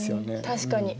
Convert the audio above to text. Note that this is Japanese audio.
確かに。